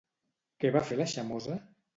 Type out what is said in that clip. Què va fer la Xamosa?